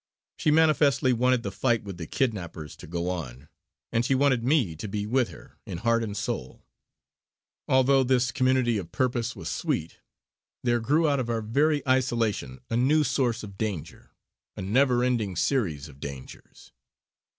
She manifestly wanted the fight with the kidnappers to go on; and she wanted me to be with her in it heart and soul. Although this community of purpose was sweet, there grew out of our very isolation a new source of danger, a never ending series of dangers.